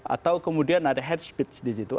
atau kemudian ada hate speech di situ